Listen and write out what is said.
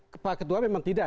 kepala ketua memang tidak